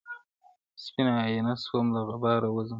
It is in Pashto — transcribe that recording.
سپینه آیینه سوم له غباره وځم.